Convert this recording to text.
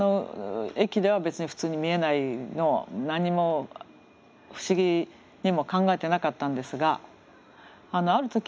駅では別に普通に見えないのを何も不思議にも考えてなかったんですがある時